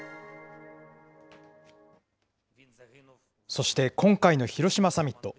そして、今回の広島サミット。